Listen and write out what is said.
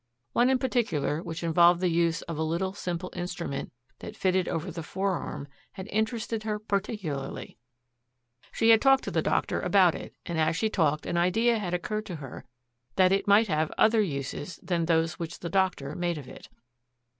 One in particular which involved the use of a little simple instrument that fitted over the forearm had interested her particularly. She had talked to the doctor about it, and as she talked an idea had occurred to her that it might have other uses than those which the doctor made of it.